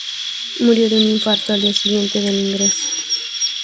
Murió de un infarto al día siguiente del ingreso.